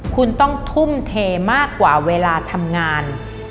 คุณต้องทุ่มเทมากกว่าเวลาทำงาน